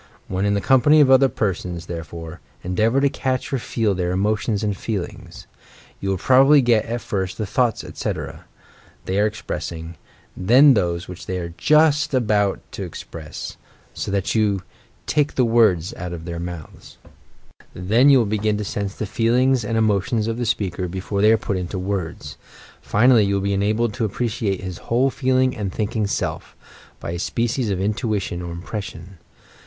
"When in the company of other persons, therefore, en deavour to catch or feel their emotions and feelings. You will probably get, at first, the thoughts, etc., they are expressing ; then those which they are just about to THE CULTIVATION OF SENSITIVENESS 171 express — bo that you "take the words out of their mouths." Then you will begin to sense the feelings and emotions of the spealser before they are put into words; Jinally you will be enabled to appreciate hia whole feel ing and thinking Self, — by a species of intuition or im pression.